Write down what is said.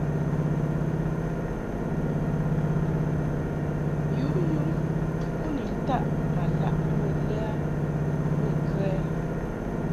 Yǔ yum u ni taʼ ma laʼ mbə lɛ a bə kə ɛ ?